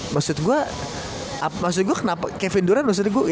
maksud gue kevin duran maksudnya gue